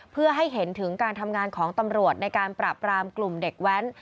เพื่อให้เห็นถึงการทำงานของตำรวจในการปราบรามกลุ่มเด็กแว้น